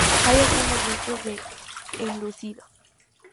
Hay algunos restos de enlucido.